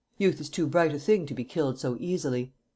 Youth is too bright a thing to be killed so easily.